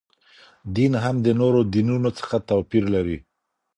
دین هم د نورو دینونو څخه توپیر لري.